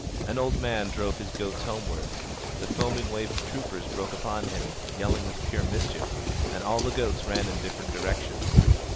An old man drove his goats homeward. The foaming wave of troopers broke upon him, yelling with pure mischief, and all the goats ran in different directions.